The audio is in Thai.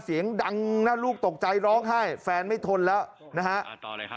เสียงดังนะลูกตกใจร้องไห้แฟนไม่ทนแล้วนะฮะ